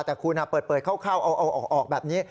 แต่คุณเปิดเข้าเอาออกแบบนี้